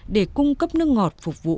để cung cấp nước ngọt phục vụ